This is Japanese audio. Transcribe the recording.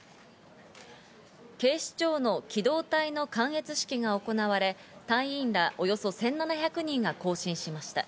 警視庁の機動隊の観閲式が行われ、隊員らおよそ１７００人が行進しました。